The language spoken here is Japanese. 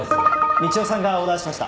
みちおさんがオーダーしました。